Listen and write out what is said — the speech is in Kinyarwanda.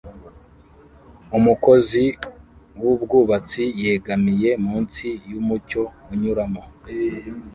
Umukozi wubwubatsi yegamiye munsi yumucyo unyuramo